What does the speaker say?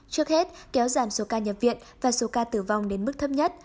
trước hết kéo giảm số ca nhập viện và số ca tử vong đến mức thấp nhất